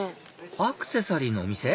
アクセサリーのお店？